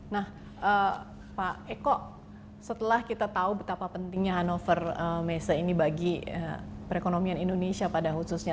nah pak eko setelah kita tahu betapa pentingnya hannover messe ini bagi perekonomian indonesia pada khususnya